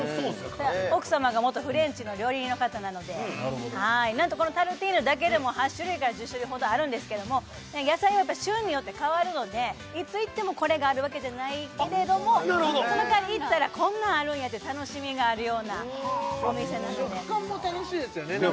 奥さまが元フレンチの料理人の方なのでなんとこのタルティーヌだけでも８種類から１０種類ほどあるんですけども野菜は旬によって変わるのでいつ行ってもこれがあるわけじゃないけれどもその代わり行ったらこんなんあるんやって楽しみがあるようなお店なので食感も楽しいですよね